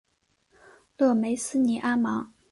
勒梅斯尼阿芒。